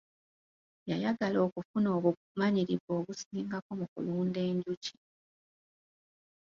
Yayagala okufuna obumanyirivu obusingako mu kulunda enjuki.